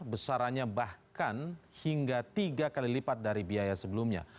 besarannya bahkan hingga tiga kali lipat dari biaya sebelumnya